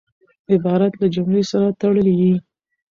عبارت له جملې سره تړلی يي.